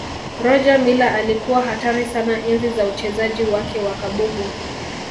rogermiller alikuwa hatari sana enzi za uchezaji wake wa kabumbu